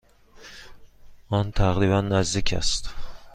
آن تقریبا نزدیک است.